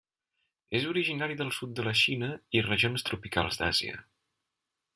És originari del sud de la Xina i regions tropicals d'Àsia.